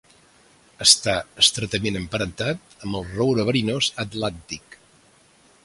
Està estretament emparentat amb el roure verinós atlàntic.